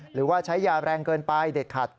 หรือว่าใช้ยาแรงเกินไปเด็ดขัด